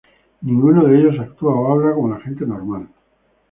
Ninguno de ellos actúa o habla como la gente normal.